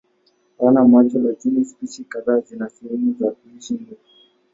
Hawana macho lakini spishi kadhaa zina sehemu za kuhisi nuru.